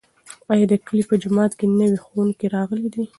ایا د کلي په جومات کې نوی ښوونکی راغلی دی؟